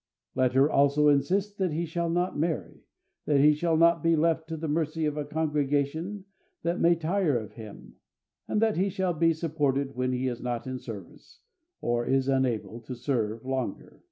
Let her also insist that he shall not marry, that he shall not be left to the mercy of a congregation that may tire of him, and that he shall be supported when he is not in service, or is unable to serve longer.